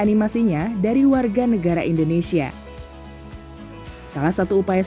itu yang ironis ya